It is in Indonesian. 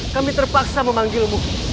kami terpaksa memanggilmu